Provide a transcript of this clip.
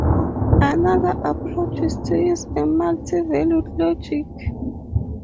Another approach is to use a multi-valued logic.